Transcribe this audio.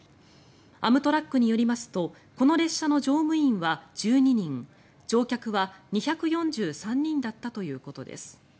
アムトラックによりますとこの列車の乗務員は１２人乗客は２４３人だったということです。